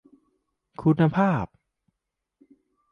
คุณภาพ